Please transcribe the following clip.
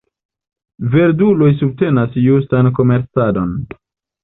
Verduloj subtenas justan komercadon.